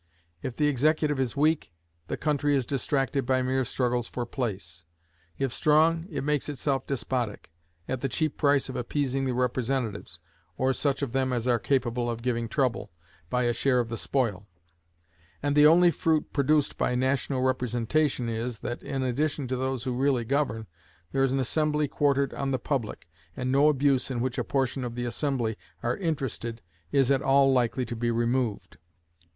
If the executive is weak, the country is distracted by mere struggles for place; if strong, it makes itself despotic, at the cheap price of appeasing the representatives, or such of them as are capable of giving trouble, by a share of the spoil; and the only fruit produced by national representation is, that in addition to those who really govern, there is an assembly quartered on the public, and no abuse in which a portion of the assembly are interested is at all likely to be removed.